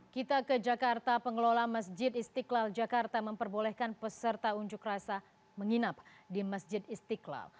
kita ke jakarta pengelola masjid istiqlal jakarta memperbolehkan peserta unjuk rasa menginap di masjid istiqlal